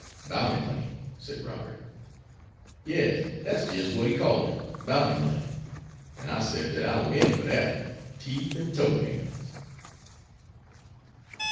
"Bounty money," said Robert. "Yes, dat's jis' what he called it, bounty money. An' I said dat I war in for dat, teeth and toe nails."